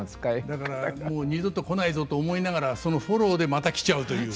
だから「もう二度と来ないぞ」と思いながらそのフォローでまた来ちゃうという。